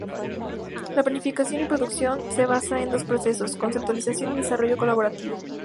La planificación y producción se basan en dos procesos: conceptualización y desarrollo colaborativo.